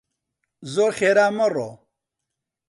زۆر خێرا مەڕۆ!